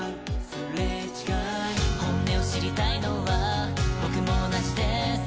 「本音を知りたいのは僕も同じです」